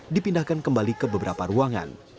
dipindahkan kembali ke beberapa ruangan